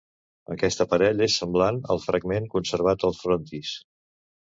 Aquest aparell és semblant al fragment conservat al frontis.